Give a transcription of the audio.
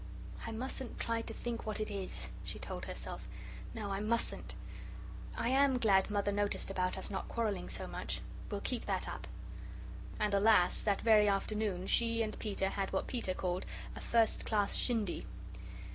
"I mustn't try to think what it is," she told herself; "no, I mustn't. I AM glad Mother noticed about us not quarrelling so much. We'll keep that up." And alas, that very afternoon she and Peter had what Peter called a first class shindy.